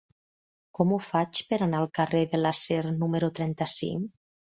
Com ho faig per anar al carrer de l'Acer número trenta-cinc?